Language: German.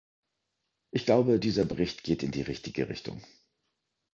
Ich glaube, dieser Bericht geht in die richtige Richtung.